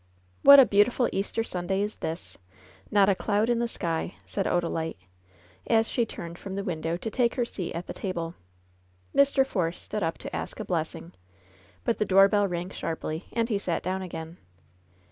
*^What a beautiful Easter Sunday is this! Not a cloud in all the sky 1" said Odalite, as she turned from the window to take her seat at the table. Mr. Force stood up to ask a blessing, but the door bell rang sharply and he sat down again.